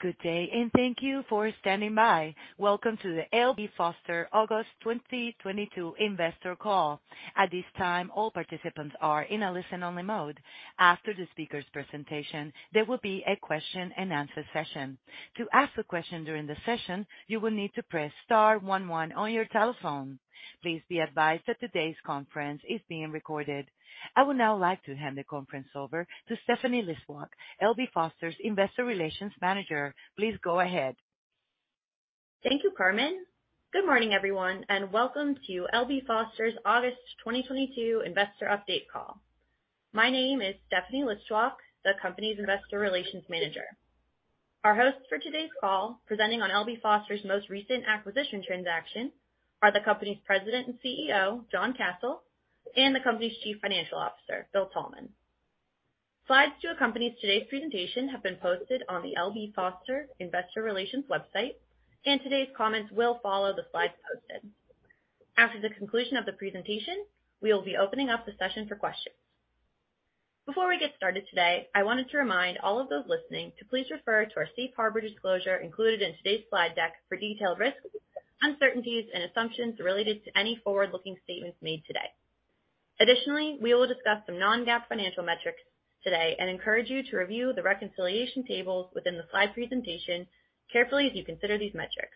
Good day, and thank you for standing by. Welcome to the L.B. Foster August 2022 investor call. At this time, all participants are in a listen-only mode. After the speaker's presentation, there will be a question-and-answer session. To ask a question during the session, you will need to press star one one on your telephone. Please be advised that today's conference is being recorded. I would now like to hand the conference over to Stephanie Listwak, L.B. Foster's Investor Relations Manager. Please go ahead. Thank you, Carmen. Good morning, everyone, and welcome to L.B. Foster's August 2022 investor update call. My name is Stephanie Listwak, the company's Investor Relations Manager. Our hosts for today's call, presenting on L.B. Foster's most recent acquisition transaction are the company's President and CEO, John Kasel, and the company's Chief Financial Officer, William Thalman. Slides to accompany today's presentation have been posted on the L.B. Foster investor relations website, and today's comments will follow the slides posted. After the conclusion of the presentation, we will be opening up the session for questions. Before we get started today, I wanted to remind all of those listening to please refer to our safe harbor disclosure included in today's slide deck for detailed risks, uncertainties, and assumptions related to any forward-looking statements made today. Additionally, we will discuss some non-GAAP financial metrics today, and encourage you to review the reconciliation tables within the slide presentation carefully as you consider these metrics.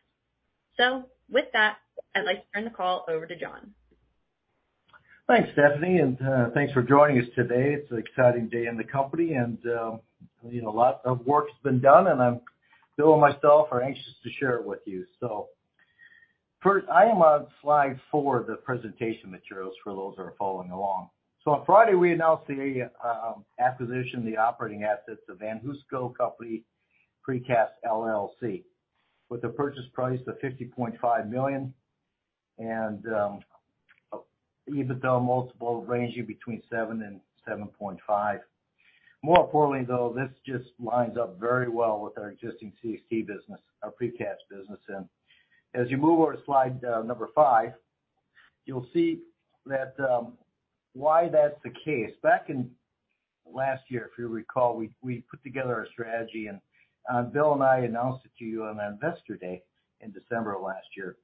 With that, I'd like to turn the call over to John. Thanks, Stephanie, and thanks for joining us today. It's an exciting day in the company and, you know, a lot of work's been done, and Bill and myself are anxious to share it with you. First, I am on slide four of the presentation materials for those that are following along. On Friday, we announced the acquisition of the operating assets of VanHooseCo Precast LLC with a purchase price of $50.5 million and EBITDA multiple ranging between 7-7.5x. More importantly, though, this just lines up very well with our existing CXT business, our precast business. As you move over to slide number five, you'll see that why that's the case. Back in last year, if you recall, we put together a strategy and Bill and I announced it to you on our investor day in December of last year.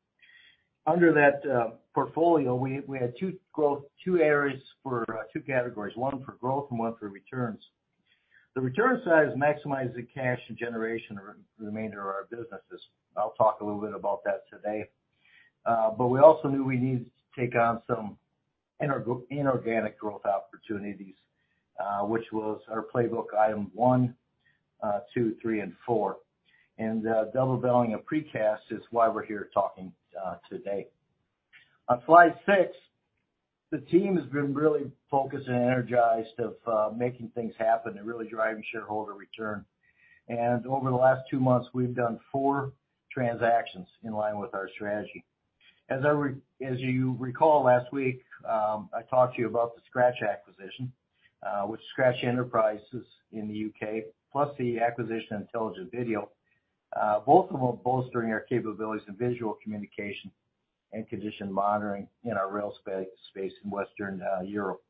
Under that portfolio, we had two areas for two categories, one for growth and one for returns. The return side is maximizing cash generation remainder of our businesses. I'll talk a little bit about that today. But we also knew we needed to take on some inorganic growth opportunities, which was our playbook item one, two, three, and four. Doubling of precast is why we're here talking today. On slide six, the team has been really focused and energized about making things happen and really driving shareholder return. Over the last two months, we've done four transactions in line with our strategy. As you recall, last week, I talked to you about the Skratch acquisition with Skratch Enterprises in the UK, plus the acquisition of Intelligent Video, both of them bolstering our capabilities in visual communication and condition monitoring in our rail space in Western Europe.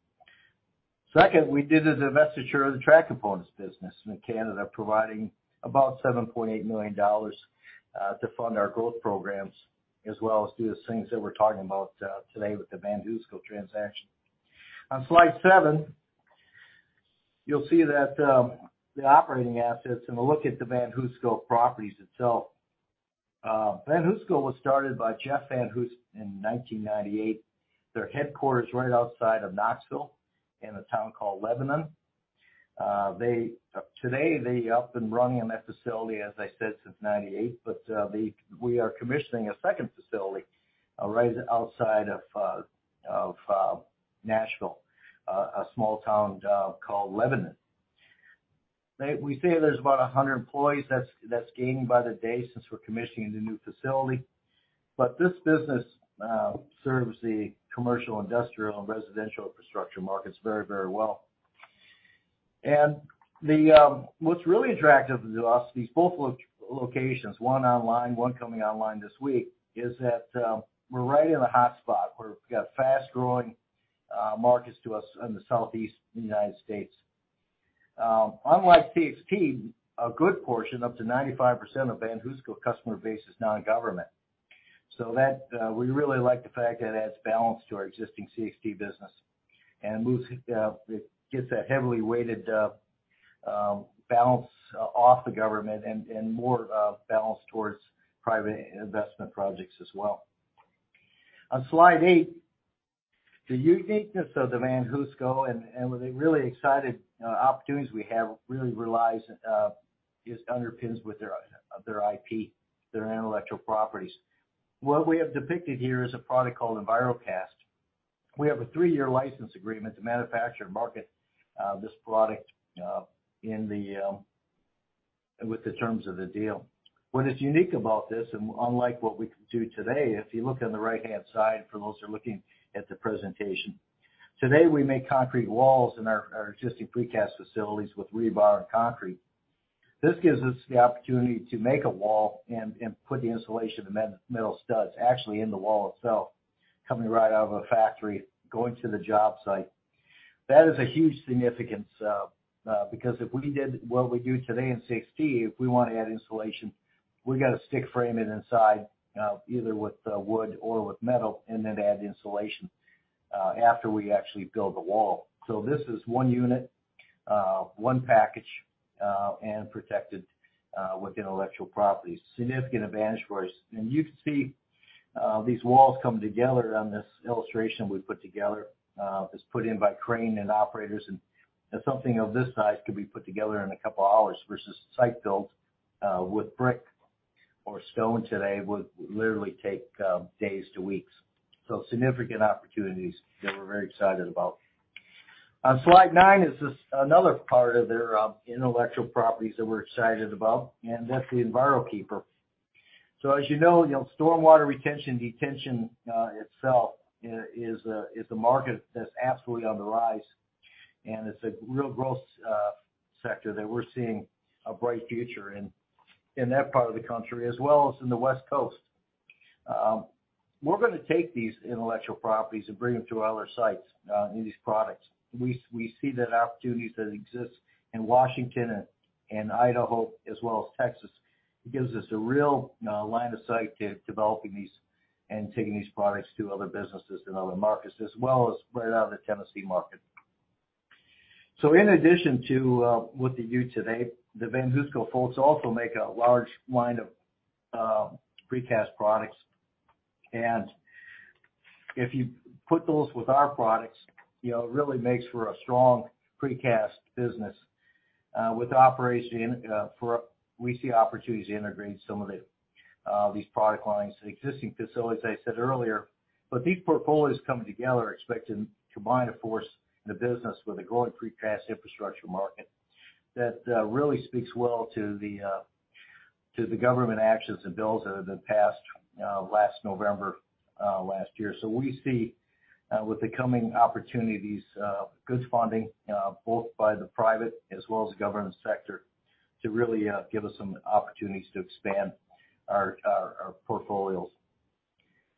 Second, we did the divestiture of the Track Components business in Canada, providing about $7.8 million to fund our growth programs, as well as do the things that we're talking about today with the VanHooseCo transaction. On slide seven, you'll see that, the operating assets, and a look at the VanHooseCo properties itself. VanHooseCo was started by Jeff VanHoose in 1998. Their headquarters right outside of Knoxville in a town called Lebanon. Today, they up and running in that facility, as I said, since 1998, but we are commissioning a second facility right outside of Nashville, a small town called Lebanon. We say there's about 100 employees. That's gaining by the day since we're commissioning the new facility. This business serves the commercial, industrial, and residential infrastructure markets very well. What's really attractive to us, these both locations, one online, one coming online this week, is that we're right in the hotspot. We've got fast-growing markets close to us in the southeast in the United States. Unlike CXT, a good portion, up to 95% of VanHooseCo customer base is non-government. We really like the fact that it adds balance to our existing CXT business and moves it gets that heavily weighted balance off the government, and more balance towards private investment projects as well. On slide eight, the uniqueness of the VanHooseCo and with the really exciting opportunities we have underpins with their IP, their intellectual properties. What we have depicted here is a product called Enviro-Cast. We have a three-year license agreement to manufacture and market this product in the with the terms of the deal. What is unique about this and unlike what we do today, if you look on the right-hand side, for those who are looking at the presentation, today we make concrete walls in our existing precast facilities with rebar and concrete. This gives us the opportunity to make a wall and put the insulation, and metal studs actually in the wall itself, coming right out of a factory, going to the job site. That is a huge significance, because if we did what we do today in 60, if we wanna add insulation, we gotta stick frame it inside, either with wood or with metal, and then add insulation, after we actually build the wall. This is one unit, one package, and protected with intellectual property. Significant advantage for us. You can see these walls come together on this illustration we put together. It's put in by crane and operators, and something of this size could be put together in a couple of hours versus site-built with brick or stone today would literally take days to weeks. Significant opportunities that we're very excited about. On slide nine is this another part of their intellectual properties that we're excited about, and that's the Enviro-Keeper. As you know, you know, stormwater retention, detention, itself, is a market that's absolutely on the rise, and it's a real growth sector that we're seeing a bright future in that part of the country as well as in the West Coast. We're gonna take these intellectual properties, and bring them to other sites in these products. We see that opportunities that exist in Washington and Idaho as well as Texas, it gives us a real line of sight to developing these and taking these products to other businesses and other markets, as well as right out of the Tennessee market. In addition to what they do today, the VanHooseCo folks also make a large line of precast products. If you put those with our products, you know, it really makes for a strong precast business. With the operation, we see opportunities to integrate some of these product lines to existing facilities, as I said earlier. These portfolios coming together are expected to combine a force in the business with a growing precast infrastructure market that really speaks well to the government actions, and bills that have been passed last November last year. We see with the coming opportunities good funding both by the private as well as the government sector to really give us some opportunities to expand our portfolios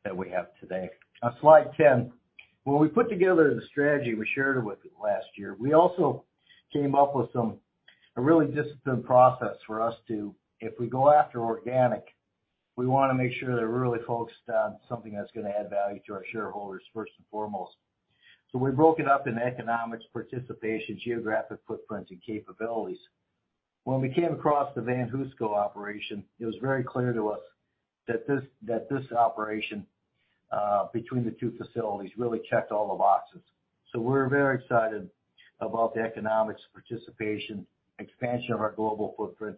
that we have today. On slide ten, when we put together the strategy we shared with you last year, we also came up with a really disciplined process for us to, if we go after organic, we wanna make sure that we're really focused on something that's gonna add value to our shareholders first and foremost. We broke it up in economics, participation, geographic footprint, and capabilities. When we came across the VanHooseCo operation, it was very clear to us that this operation between the two facilities really checked all the boxes. We're very excited about the economics, participation, expansion of our global footprint,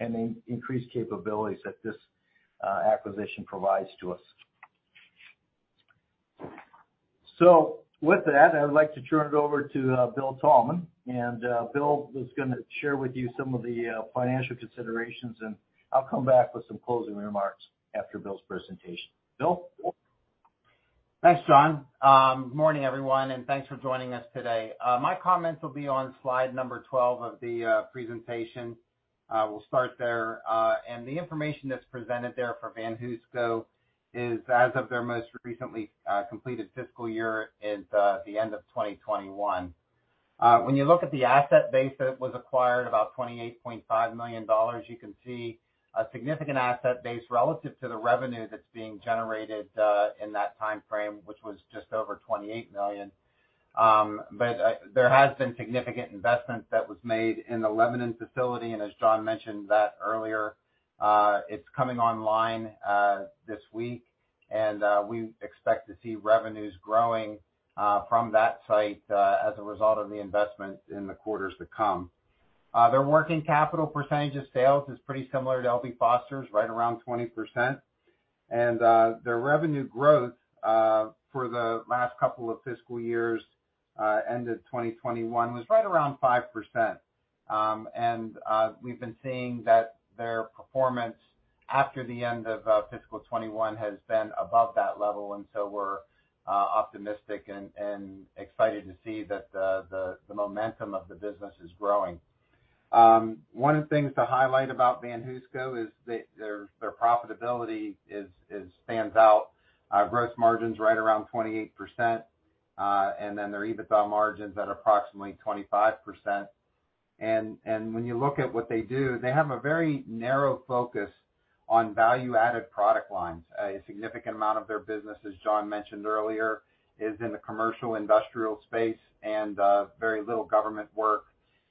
and the increased capabilities that this acquisition provides to us. With that, I would like to turn it over to William Thalman, and William is gonna share with you some of the financial considerations, and I'll come back with some closing remarks after William's presentation. William? Thanks, John. Morning, everyone, and thanks for joining us today. My comments will be on slide number 12 of the presentation. We'll start there. The information that's presented there for VanHooseCo is as of their most recently completed fiscal year at the end of 2021. When you look at the asset base that was acquired, about $28.5 million, you can see a significant asset base relative to the revenue that's being generated in that timeframe, which was just over $28 million. There has been significant investments that was made in the Lebanon facility, and as John mentioned that earlier, it's coming online this week, and we expect to see revenues growing from that site as a result of the investments in the quarters to come. Their working capital percentage of sales is pretty similar to L.B. Foster's, right around 20%. Their revenue growth for the last couple of fiscal years ended 2021 was right around 5%. We've been seeing that their performance after the end of fiscal 2021 has been above that level, so we're optimistic, and excited to see that the momentum of the business is growing. One of the things to highlight about VanHooseCo is that their profitability stands out. Gross margin's right around 28%, and then their EBITDA margin's at approximately 25%. When you look at what they do, they have a very narrow focus on value-added product lines. A significant amount of their business, as John mentioned earlier, is in the commercial industrial space, and very little government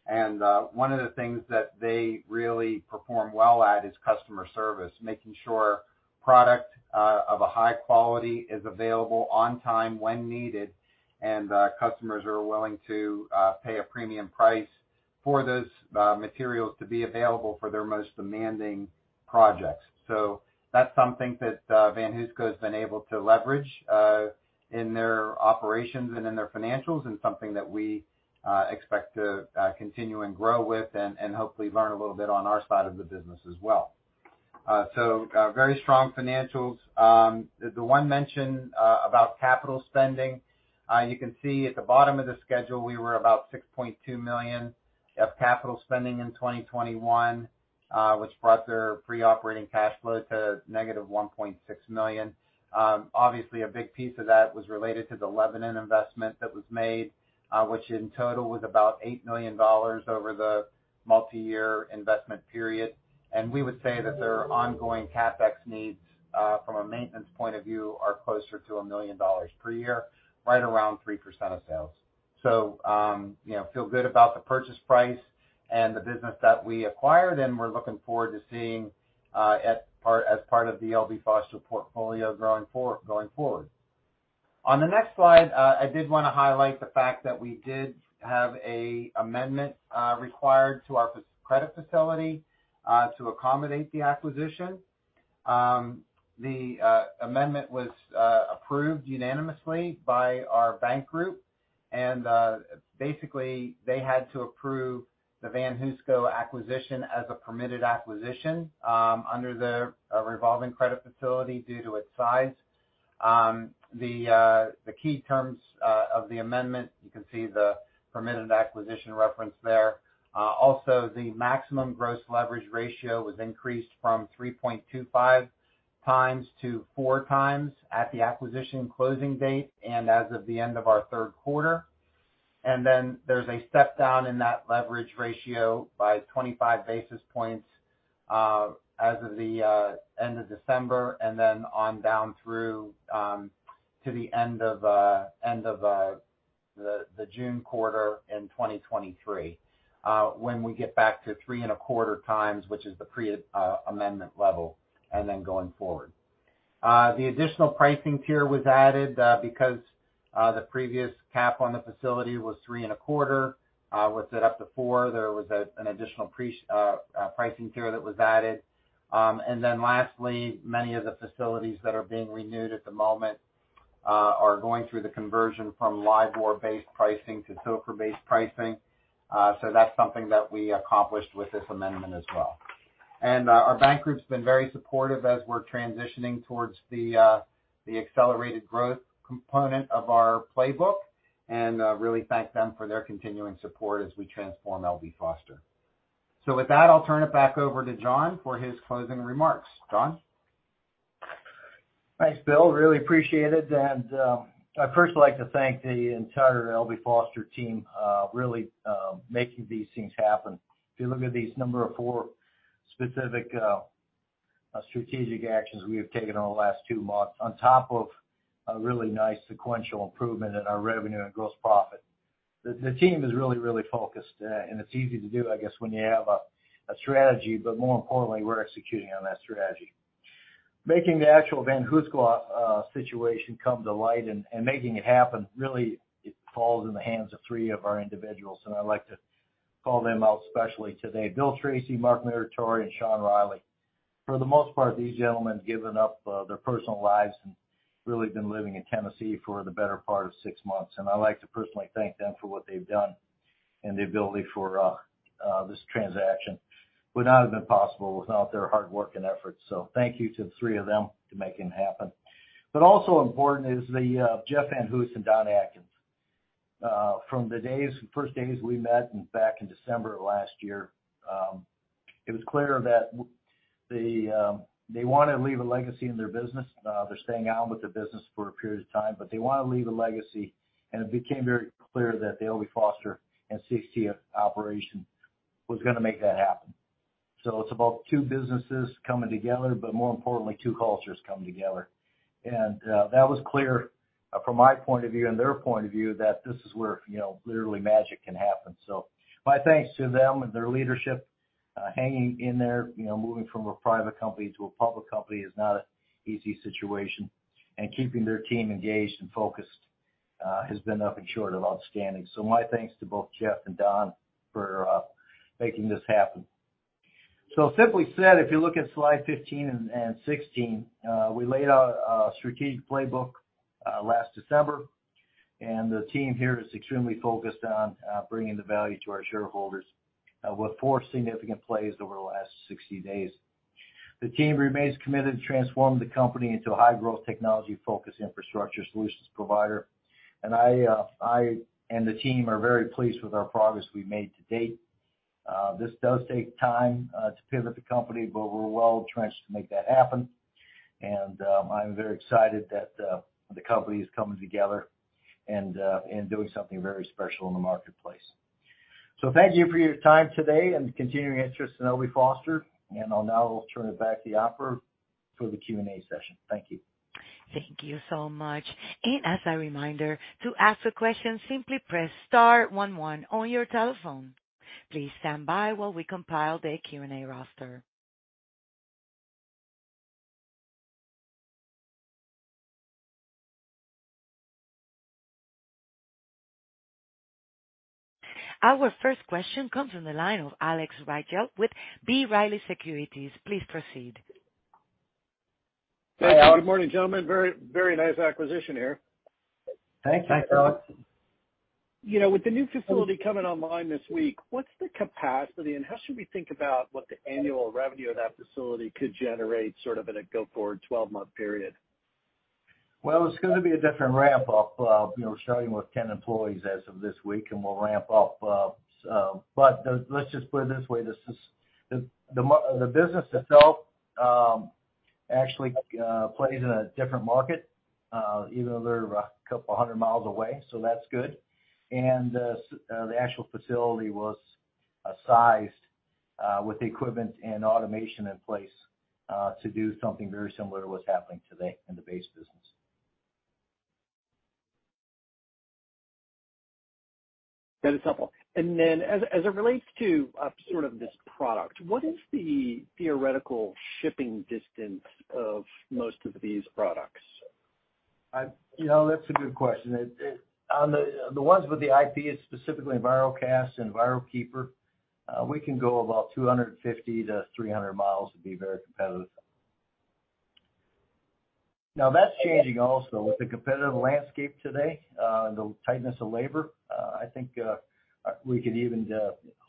work. One of the things that they really perform well at is customer service, making sure product of a high quality is available on time when needed, and customers are willing to pay a premium price for those materials to be available for their most demanding projects. That's something that VanHooseCo's been able to leverage in their operations, and in their financials and something that we expect to continue and grow with and hopefully learn a little bit on our side of the business as well. Very strong financials. The one mention about capital spending, you can see at the bottom of the schedule, we were about $6.2 million of capital spending in 2021, which brought their pre-operating cash flow to negative $1.6 million. Obviously, a big piece of that was related to the Lebanon investment that was made, which in total was about $8 million over the multiyear investment period. We would say that their ongoing CapEx needs from a maintenance point of view are closer to $1 million per year, right around 3% of sales. You know, feel good about the purchase price and the business that we acquired, and we're looking forward to seeing as part of the L.B. Foster portfolio going forward. On the next slide, I did wanna highlight the fact that we did have an amendment required to our credit facility to accommodate the acquisition. The amendment was approved unanimously by our bank group, and basically, they had to approve the VanHooseCo acquisition as a permitted acquisition under the revolving credit facility due to its size. The key terms of the amendment, you can see the permitted acquisition reference there. Also, the maximum gross leverage ratio was increased from 3.25x-4x at the acquisition closing date and as of the end of our Q3. There's a step-down in that leverage ratio by 25 basis points as of the end of December and then on down through to the end of the June quarter in 2023 when we get back to 3.25x, which is the pre-amendment level, and then going forward. The additional pricing tier was added because the previous cap on the facility was 3.25 was set up to 4. There was an additional pre-pricing tier that was added. Lastly, many of the facilities that are being renewed at the moment are going through the conversion from LIBOR-based pricing to SOFR-based pricing. That's something that we accomplished with this amendment as well. Our bank group's been very supportive as we're transitioning towards the accelerated growth component of our playbook, and really thank them for their continuing support as we transform L.B. Foster. With that, I'll turn it back over to John for his closing remarks. John? Thanks, Bill. I really appreciate it. I'd first like to thank the entire L.B. Foster team, really making these things happen. If you look at these four specific strategic actions we have taken over the last two months on top of a really nice sequential improvement in our revenue and gross profit, the team is really focused. It's easy to do, I guess, when you have a strategy, but more importantly, we're executing on that strategy. Making the actual VanHooseCo situation come to light and making it happen really falls in the hands of three of our individuals, and I'd like to call them out especially today. William Treacy, Marc Muratore, and Sean Reilly. For the most part, these gentlemen have given up their personal lives and really been living in Tennessee for the better part of six months, and I'd like to personally thank them for what they've done. The ability for this transaction would not have been possible without their hard work and efforts. Thank you to the three of them to making it happen. Also important is the Jeff VanHoose and Don Atkins. From the first days we met back in December of last year, it was clear that they wanna leave a legacy in their business. They're staying on with the business for a period of time, but they wanna leave a legacy, and it became very clear that the L.B. Foster and CXT operation was gonna make that happen. It's about two businesses coming together, but more importantly, two cultures coming together. That was clear from my point of view and their point of view that this is where, you know, literally magic can happen. My thanks to them and their leadership hanging in there. You know, moving from a private company to a public company is not an easy situation. Keeping their team engaged and focused has been nothing short of outstanding. My thanks to both Jeff and Don for making this happen. Simply said, if you look at slide 15 and 16, we laid out a strategic playbook last December, and the team here is extremely focused on bringing the value to our shareholders with four significant plays over the last 60 days. The team remains committed to transform the company into a high-growth, technology-focused infrastructure solutions provider. I and the team are very pleased with our progress we've made to date. This does take time to pivot the company, but we're well-entrenched to make that happen. I'm very excited that the company is coming together, and doing something very special in the marketplace. Thank you for your time today and continuing interest in L.B. Foster. I'll now turn it back to the operator for the Q&A session. Thank you. Thank you so much. As a reminder, to ask a question, simply press star one one on your telephone. Please stand by while we compile the Q&A roster. Our first question comes from the line of Alex Rygiel with B. Riley Securities. Please proceed. Good morning, gentlemen. Very, very nice acquisition here. Thanks, Alex. Thanks, Alex. You know, with the new facility coming online this week, what's the capacity, and how should we think about what the annual revenue of that facility could generate sort of in a go-forward twelve-month period? Well, it's gonna be a different ramp up, you know, starting with 10 employees as of this week, and we'll ramp up, so. Let's just put it this way. This is the business itself, actually, plays in a different market, even though they're a couple of hundred miles away, so that's good. The actual facility was sized with equipment and automation in place to do something very similar to what's happening today in the base business. That is helpful. As it relates to sort of this product, what is the theoretical shipping distance of most of these products? You know, that's a good question. On the ones with the IP, specifically Envirocast and Envirokeeper, we can go about 250-300 miles to be very competitive. Now, that's changing also. With the competitive landscape today, the tightness of labor, I think, we could even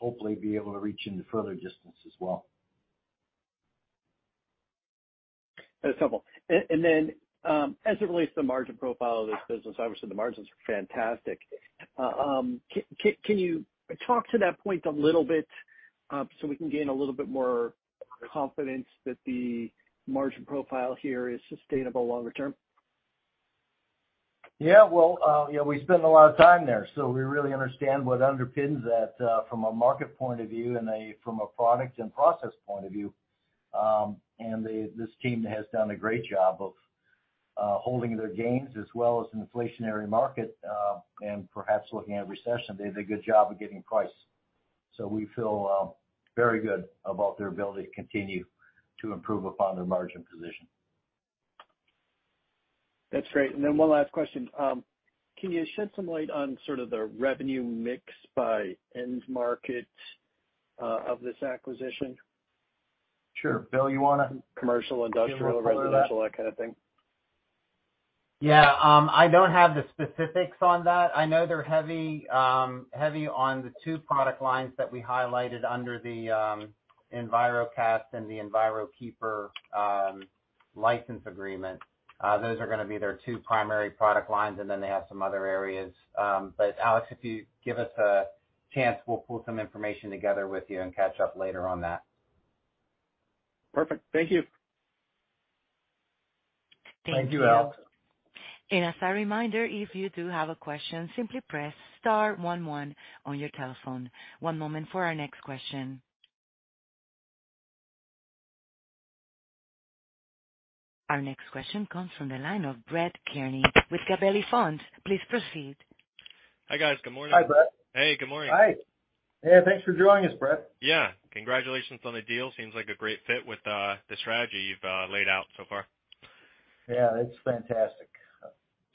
hopefully be able to reach into further distance as well. That's helpful. As it relates to the margin profile of this business, obviously the margins are fantastic. Can you talk to that point a little bit, so we can gain a little bit more confidence that the margin profile here is sustainable longer term? Yeah. Well, you know, we spend a lot of time there, so we really understand what underpins that from a market point of view, and from a product and process point of view. This team has done a great job of holding their gains as well as an inflationary market and perhaps looking at a recession. They did a good job of getting price. We feel very good about their ability to continue to improve upon their margin position. That's great. One last question. Can you shed some light on sort of the revenue mix by end market, of this acquisition? Sure. Bill, you wanna- Commercial, industrial, residential, that kind of thing. Do you wanna cover that? Yeah. I don't have the specifics on that. I know they're heavy on the two product lines that we highlighted under the Envirocast, and the Envirokeeper license agreement. Those are gonna be their two primary product lines, and then they have some other areas. Alex, if you give us a chance, we'll pull some information together with you and catch up later on that. Perfect. Thank you. Thank you, Alex. Thank you. As a reminder, if you do have a question, simply press star one one on your telephone. One moment for our next question. Our next question comes from the line of Brett Kearney with Gabelli Funds. Please proceed. Hi, guys. Good morning. Hi, Brett. Hey, good morning. Hi. Yeah, thanks for joining us, Brett. Yeah. Congratulations on the deal. Seems like a great fit with the strategy you've laid out so far. Yeah, it's fantastic.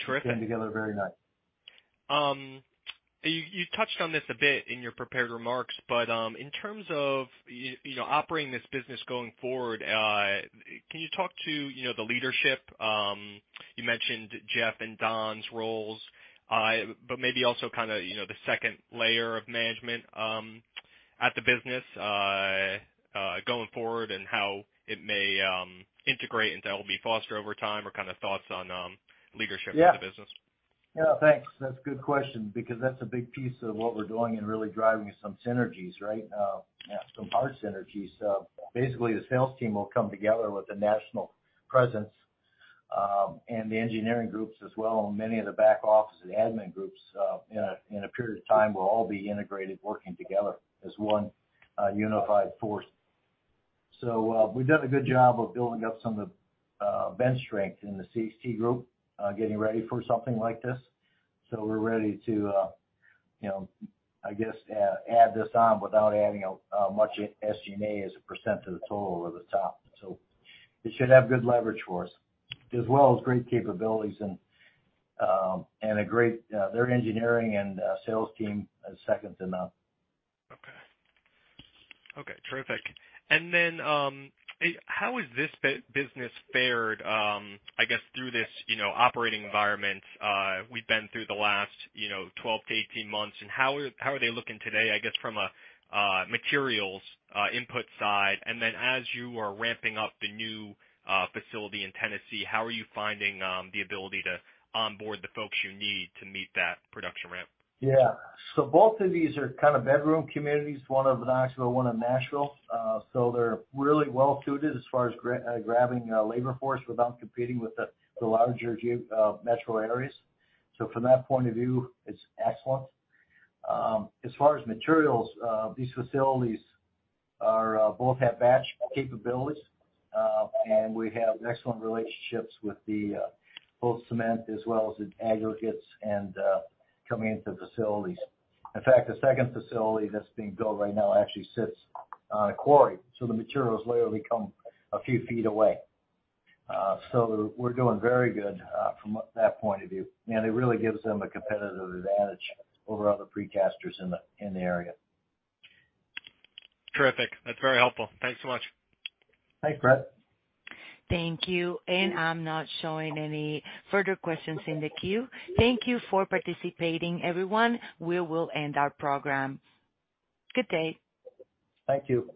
Terrific. Came together very nice. You touched on this a bit in your prepared remarks, but in terms of you know, operating this business going forward, can you talk to you know, the leadership? You mentioned Jeff and Don's roles, but maybe also kinda you know, the second layer of management at the business going forward and how it may integrate into L.B. Foster over time or kinda thoughts on leadership in the business. Yeah. Yeah, thanks. That's a good question because that's a big piece of what we're doing and really driving some synergies, right? Some hard synergies. Basically, the sales team will come together with a national presence, and the engineering groups as well, and many of the back office and admin groups, in a period of time will all be integrated working together as one, unified force. We've done a good job of building up some of the bench strength in the CXT group, getting ready for something like this. We're ready to, you know, I guess, add this on without adding much SG&A as a percent of the total or the top. It should have good leverage for us as well as great capabilities and a great their engineering and sales team is second to none. Okay. Okay, terrific. How has this business fared, I guess, through this, you know, operating environment we've been through the last 12-18 months, and how are they looking today, I guess, from a materials input side? As you are ramping up the new facility in Tennessee, how are you finding the ability to onboard the folks you need to meet that production ramp? Yeah. Both of these are kind of bedroom communities, one in Knoxville, one in Nashville. They're really well-suited as far as grabbing a labor force without competing with the larger metro areas. From that point of view, it's excellent. As far as materials, these facilities are both have batch capabilities, and we have excellent relationships with the both cement as well as the aggregates and coming into the facilities. In fact, the second facility that's being built right now actually sits on a quarry, so the materials literally come a few feet away. We're doing very good from that point of view, and it really gives them a competitive advantage over other precasters in the area. Terrific. That's very helpful. Thanks so much. Thanks, Brett. Thank you. I'm not showing any further questions in the queue. Thank you for participating, everyone. We will end our program. Good day. Thank you.